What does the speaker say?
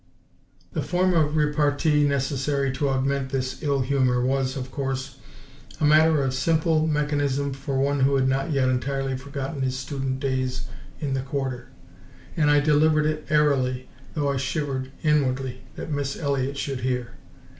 The form of repartee necessary to augment his ill humour was, of course, a matter of simple mechanism for one who had not entirely forgotten his student days in the Quarter; and I delivered it airily, though I shivered inwardly that Miss Elliott should hear.